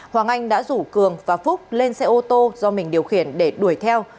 hoàng anh đã rủ cường và phúc lên xe ô tô do mình điều khiển để đuổi theo